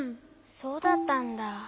そうだったんだ。